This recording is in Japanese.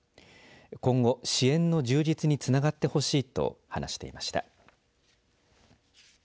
今後支援の充実につながってほしいと話していました。